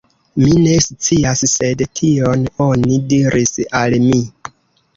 Mi ne scias, sed tion oni diris al mi.